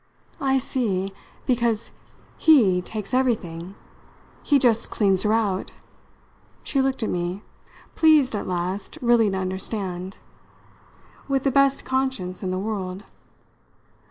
"I see because he takes everything. He just cleans her out." She looked at me pleased at last really to understand with the best conscience in the world.